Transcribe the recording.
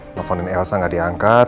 teleponin elsa gak diangkat